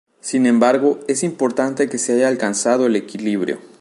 Sin embargo, es importante que se haya alcanzado el equilibrio.